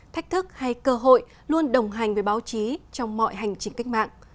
thách thức hay cơ hội luôn đồng hành với báo chí trong mọi hành trình cách mạng